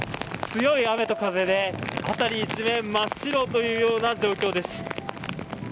強い雨と風で辺り一面真っ白というような状況です。